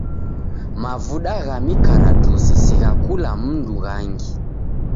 Mavuda gha mikaratusi si gha kula mndu ghangi.